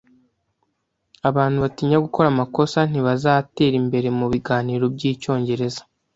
Abantu batinya gukora amakosa ntibazatera imbere mubiganiro byicyongereza.